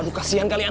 aduh kasihan kalian